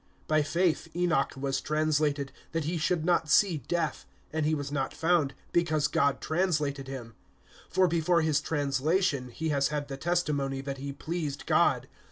(5)By faith Enoch was translated, that he should not see death; and he was not found, because God translated him; for before his translation, he has had the testimony that he pleased God.